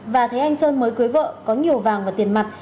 và thấy anh sơn mới cưới vợ có nhiều vàng và tiền mặt